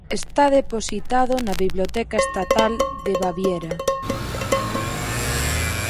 Está depositado na Biblioteca Estatal de Baviera.